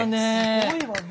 すごいわね。